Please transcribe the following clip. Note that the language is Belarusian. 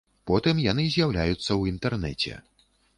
Потым яны з'яўляюцца ў інтэрнэце.